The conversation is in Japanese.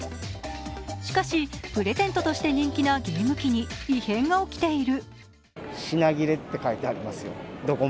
しかし、プレゼントとして人気のゲーム機に異変が起きている。